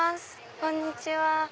こんにちは。